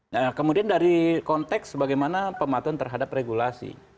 nah kemudian dari konteks bagaimana pematuhan terhadap regulasi